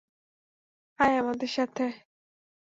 আয় আমাদের সাথে।